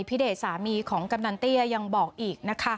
เดชสามีของกำนันเตี้ยยังบอกอีกนะคะ